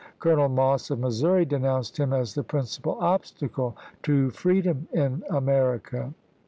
Colonel Moss of Missouri denounced him as the principal obstacle to freedom in America.